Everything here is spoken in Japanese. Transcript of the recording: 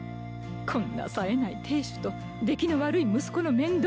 こんなさえない亭主と出来の悪い息子の面倒